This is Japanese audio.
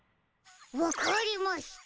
わかりました。